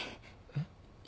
えっ？